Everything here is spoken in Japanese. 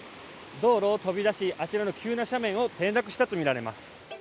道路を飛び出し、あちらの急な斜面を転落したとみられます。